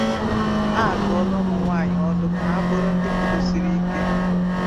A dụọla ụmụnwaanyị ọdụ ka ha bụrụ ndị kwụdosiri ike